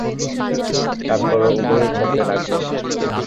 তারপর উভয়ে চলতে লাগল।